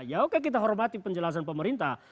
ya oke kita hormati penjelasan pemerintah